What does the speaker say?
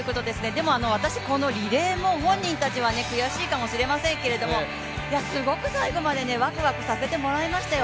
でも私、このリレーも本人たちは悔しいかもしれませんけれども、すごく最後までワクワクさせてもらいましたよ。